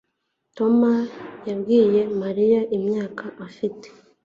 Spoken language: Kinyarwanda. Tom yabwiye Mariya imyaka afite